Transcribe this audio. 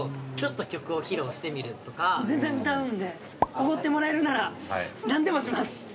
おごってもらえるなら何でもします。